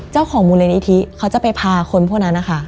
เจ้าของมูลนิธิเขาจะไปพาคนพวกนั้นนะคะ